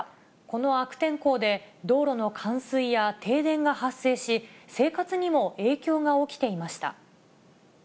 この悪天候で、道路の冠水や停電が発生し、生活にも影響が起きていました。